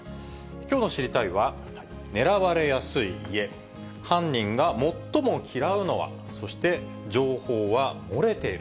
きょうの知りたいッ！は狙われやすい家、犯人が最も嫌うのは、そして、情報は漏れている。